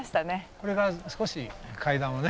これから少し階段をね。